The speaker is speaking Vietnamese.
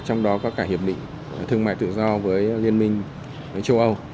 trong đó có cả hiệp định thương mại tự do với liên minh châu âu